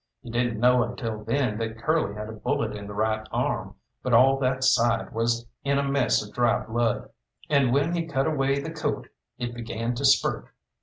He didn't know until then that Curly had a bullet in the right arm; but all that side was in a mess of dry blood, and when he cut away the coat it began to spurt.